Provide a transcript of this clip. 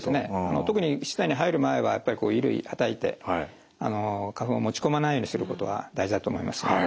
特に室内に入る前は衣類はたいて花粉を持ち込まないようにすることが大事だと思います。